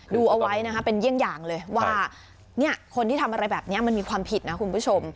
ดูเอาไว้นะคะเป็นเยี่ยงอย่างเลยว่าคนที่ทำอะไรแบบนี้มันมีความผิดนะคุณผู้ชม